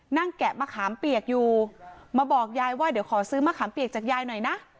แกะมะขามเปียกอยู่มาบอกยายว่าเดี๋ยวขอซื้อมะขามเปียกจากยายหน่อยนะ